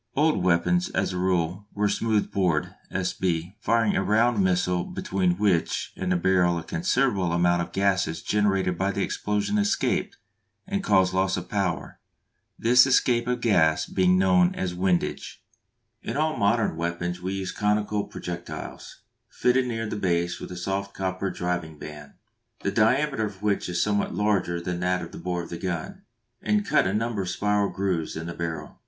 Old weapons as a rule were smooth bored (S. B.), firing a round missile between which and the barrel a considerable amount of the gases generated by the explosion escaped and caused loss of power, this escape of gas being known as windage. In all modern weapons we use conical projectiles, fitted near the base with a soft copper driving band, the diameter of which is somewhat larger than that of the bore of the gun, and cut a number of spiral grooves in the barrel.